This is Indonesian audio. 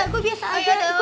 gue biasa ya